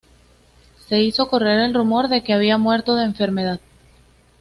Se hizo correr el rumor de que había muerto de enfermedad.